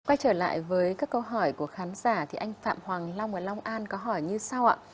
quay trở lại với các câu hỏi của khán giả thì anh phạm hoàng long ở long an có hỏi như sau ạ